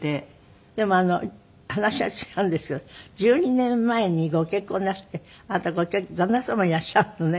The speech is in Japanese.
でも話が違うんですけど１２年前にご結婚をなすってあなた旦那様いらっしゃるのね。